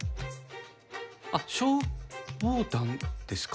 あっ消防団ですか？